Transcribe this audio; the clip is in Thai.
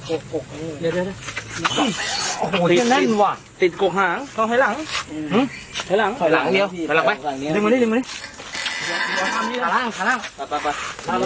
โอ้โหไข่รูปยังหนูโดยนั่งคุณฟ้าค่ะตาอยุ่